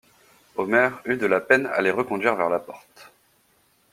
Omer eut de la peine à les reconduire vers la porte.